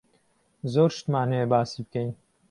زۆر شتمان هەیە باسی بکەین.